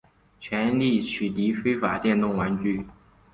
全力取缔非法电动玩具